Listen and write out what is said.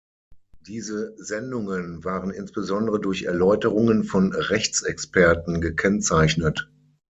Diese Sendungen waren insbesondere durch Erläuterungen von Rechtsexperten gekennzeichnet.